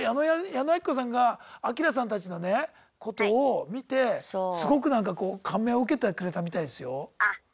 矢野顕子さんがアキラさんたちのねことを見てすごくなんかこう感銘を受けてくれたみたいですよ。